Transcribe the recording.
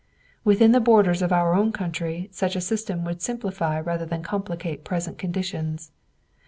Within the borders of our own country such a system would simplify rather than complicate present conditions.